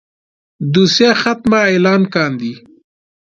دوسيه ختمه اعلان کاندي.